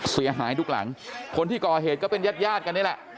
เสียหายทุกหลังคนที่ก่อเหตุก็เป็นญาติญาติกันนี่แหละ